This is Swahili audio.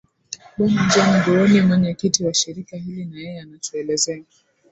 bwana john mbuuni mwenyekiti wa shirika hili na yeye anatuelezea